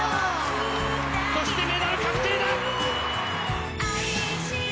そしてメダル確定だ！